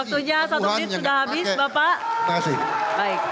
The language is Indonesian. waktunya satu menit sudah habis bapak